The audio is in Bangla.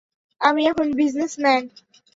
আমি এখন বিজনেসম্যান।